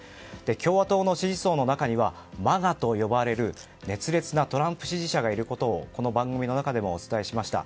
共和党の支持層の中にはＭＡＧＡと呼ばれる熱烈なトランプ支持者がいることをこの番組の中でもお伝えしました。